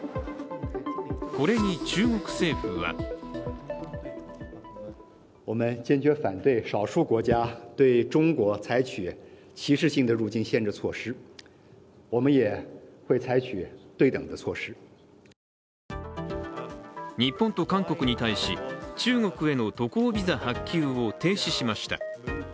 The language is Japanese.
これに中国政府は日本と韓国に対し、中国への渡航ビザ発給を停止しました。